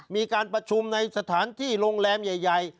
มีการประชุมในสถานที่โรงแรมใหญ่